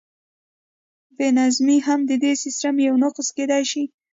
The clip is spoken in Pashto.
بې نظمي هم د دې سیسټم یو نقص کیدی شي.